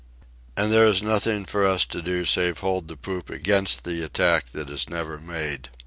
And there is nothing for us to do save hold the poop against the attack that is never made.